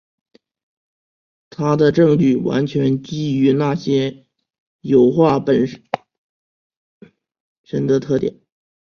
他的证据完全基于那些油画本身的特点。